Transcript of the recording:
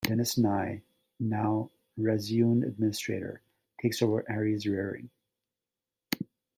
Denys Nye, now Reseune Administrator, takes over Ari's rearing.